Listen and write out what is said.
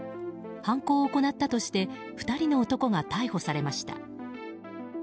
犯行を行ったとして２人の男が逮捕されました。